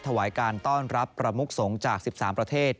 ถวายการต้อนรับประมุกสงฆ์จาก๑๓ประเทศ